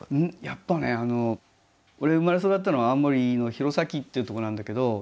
やっぱねあの俺生まれ育ったのは青森の弘前っていうとこなんだけど。